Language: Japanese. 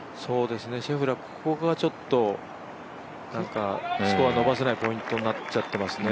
シェフラー、ここがちょっとなんかスコア伸ばせないポイントになっちゃってますね。